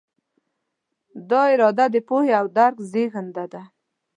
دا اراده د پوهې او درک زېږنده ده.